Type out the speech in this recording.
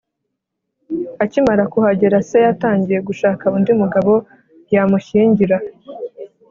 akimara kuhagera, se yatangiye gushaka undi mugabo yamushyingira